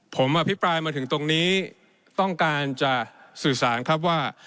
ผมอภิปรายมาถึงตรงนี้ต้องการจะสื่อสารครับว่า